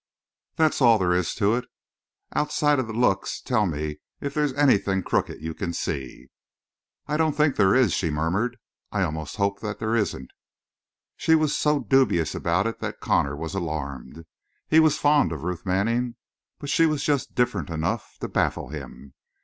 That's all there is to it. Outside of the looks, tell me if there's anything crooked you can see?" "I don't think there is," she murmured. "I almost hope that there isn't!" She was so dubious about it that Connor was alarmed. He was fond of Ruth Manning, but she was just "different" enough to baffle him.